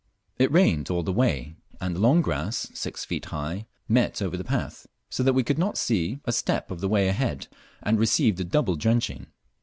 It rained all the way, and the long grass, six feet high, met over the path; so that we could not see a step of the way ahead, and received a double drenching.